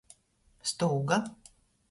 Stūga.